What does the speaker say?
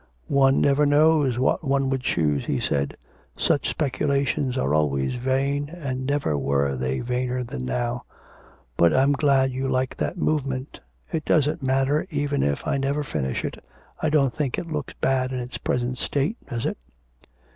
'One never knows what one would choose,' he said. 'Such speculations are always vain, and never were they vainer than now. ... But I'm glad you like that movement. It doesn't matter even if I never finish it, I don't think it looks bad in its present state, does it?'